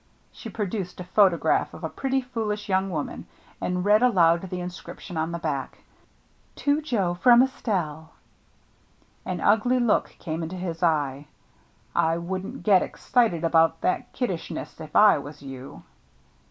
She produced a photograph of a pretty, foolish young woman, and read aloud the inscription on the back, "To Joe, from Estelle." An ugly look came into his eye. " I wouldn't get excited about that kiddishness if I was you."